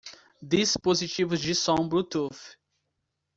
Dispositivos de som Bluetooth.